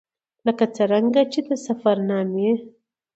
ـ لکه څرنګه چې د سفر نامې